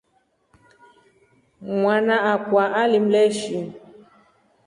Mwanana akwa alimleshi.